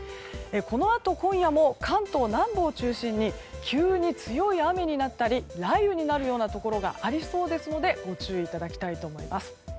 このあと今夜も関東南部を中心に急に強い雨になったり雷雨になったりするようなところがあるのでご注意いただきたいと思います。